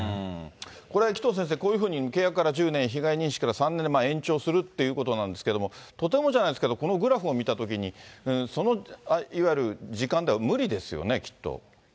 これ、紀藤先生、こういうふうに契約から１０年、被害認識から３年で延長するということなんですけども、とてもじゃないですけど、このグラフを見たときに、その、いわゆる時間では無理ですよね、きっと。